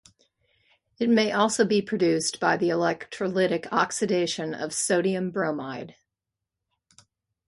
It may also be produced by the electrolytic oxidation of sodium bromide.